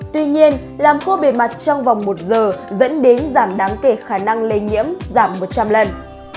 tuy nhiên làm khô bề mặt trong vòng một giờ dẫn đến giảm đáng kể khả năng lây nhiễm giảm một trăm linh lần